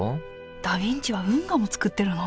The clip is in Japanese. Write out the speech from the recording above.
ダ・ヴィンチは運河も造ってるの？